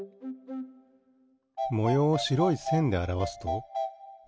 もようをしろいせんであらわすとこうなります。